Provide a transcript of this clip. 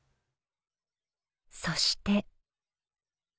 そして。